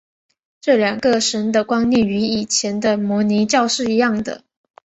这两个神的观念与以前的摩尼教是一样的。